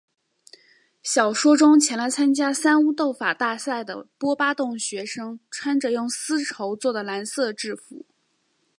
小说中前来参加三巫斗法大赛的波巴洞学生穿着用丝绸作的蓝色制服。